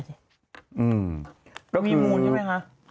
ก็มีมูลใช่ไหมคะ